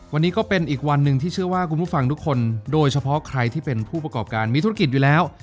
วันนี้ก็เป็นอีกวันหนึ่งที่เชื่อว่าคุณผู้ฟังทุกคนโดยเฉพาะใครที่เป็นผู้ประกอบการมีธุรกิจอยู่แล้ว